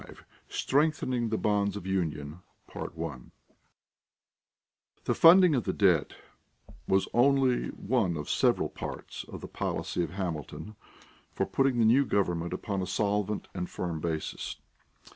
V STRENGTHENING THE BONDS OF UNION The funding of the debt was only one of several parts of the policy of Hamilton for putting the new government upon a solvent and firm basis.